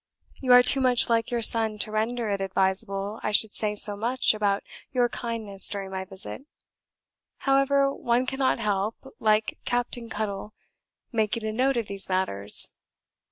You are too much like your son to render it advisable I should say much about your kindness during my visit. However, one cannot help (like Captain Cuttle) making a note of these matters.